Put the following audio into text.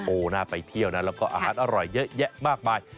โอ้โหน่าไปเที่ยวนะแล้วก็อาหารอร่อยเยอะแยะมากมาย